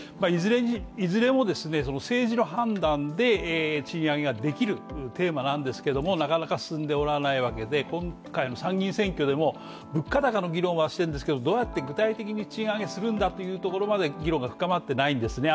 いずれも政治の判断で賃上げができるテーマなんですけどもなかなか進んでおらないわけで、今回の参議院選挙でも物価高の議論はしているんですけれども、どうやって、具体的に賃上げするんだというところまで議論が深まってないんですね。